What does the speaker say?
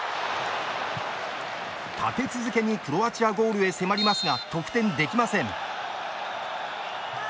立て続けにクロアチアゴールへ迫りますが得点できません。